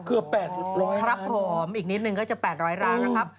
เกือบแปดร้อยร้านครับผมอีกนิดนึงก็จะแปดร้อยร้านนะครับ